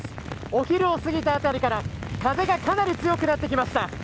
お昼を過ぎたあたりから風がかなり強くなってきました。